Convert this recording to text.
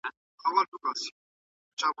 د علم وده د ژوند شرایط ښه کوي.